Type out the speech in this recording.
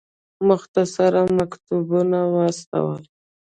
مختصر مکتوبونه واستول.